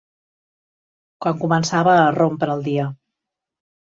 Quan començava a rompre el dia.